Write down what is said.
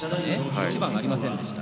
一番ありませんでした。